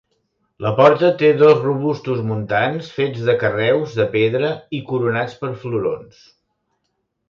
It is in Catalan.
La porta té dos robustos muntants fets de carreus de pedra i coronats per florons.